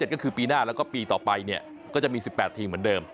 ก็คือปีหน้าแล้วก็ปีต่อไปก็จะมี๑๘ทีมเหมือนเดิม